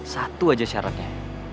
satu aja syaratnya